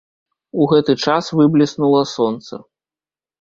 У гэты час выбліснула сонца.